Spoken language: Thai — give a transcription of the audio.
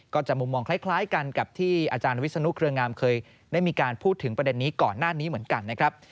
จะมุมมองคล้ายกันกับที่อาจารย์วิศนุเครืองามเคยได้มีการพูดถึงประเด็นนี้ก่อนหน้านี้เหมือนกันนะครับ